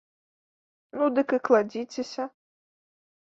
Ну, дык і кладзіцеся.